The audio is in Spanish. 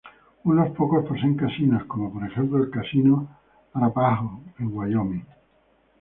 Unos pocos poseen casinos, como por ejemplo el Casino Arapaho en Wyoming.